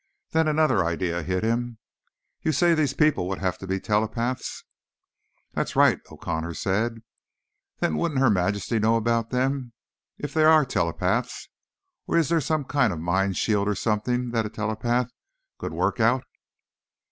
Then another idea hit him. "You say these people would have to be telepaths?" "That's right," O'Connor said. "Then wouldn't Her Majesty know about them? If they're telepaths? Or is there some kind of a mind shield or something that a telepath could work out?"